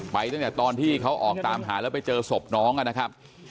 ตั้งแต่ตอนที่เขาออกตามหาแล้วไปเจอศพน้องนะครับ